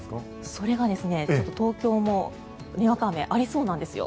それが東京もにわか雨がありそうなんです。